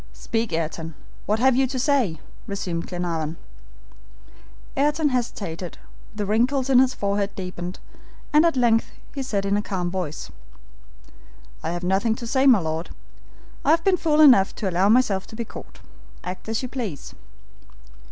"Speak, Ayrton, what have you to say?" resumed Glenarvan. Ayrton hesitated, the wrinkles in his forehead deepened, and at length he said in calm voice: "I have nothing to say, my Lord. I have been fool enough to allow myself to be caught. Act as you please."